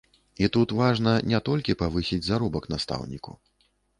І тут важна не толькі павысіць заробак настаўніку.